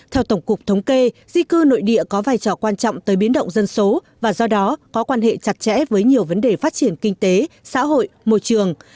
theo tổng cục thống kê di cư nội địa có vai trò quan trọng tới biến động dân số và do đó có quan hệ chặt chẽ với nhiều vấn đề phát triển kinh tế xã hội môi trường